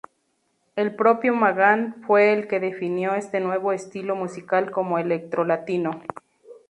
El propio Magán fue el que definió este nuevo estilo musical como Electro Latino.